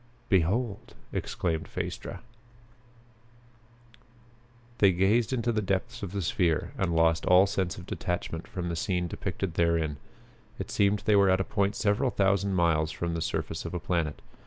"Behold!" exclaimed Phaestra. They gazed into the depths of the sphere and lost all sense of detachment from the scene depicted therein. It seemed they were at a point several thousand miles from the surface of a planet.